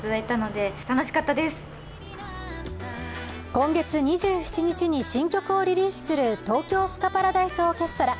今月２７日に新曲をリリースする東京スカパラダイスオーケストラ。